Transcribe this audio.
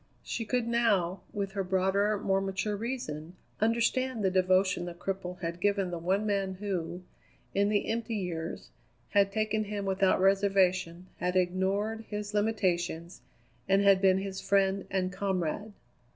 She could now, with her broader, more mature reason, understand the devotion the cripple had given the one man who, in the empty years, had taken him without reservation, had ignored his limitations, and had been his friend and comrade.